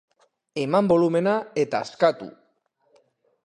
Eman bolumena eta askatu!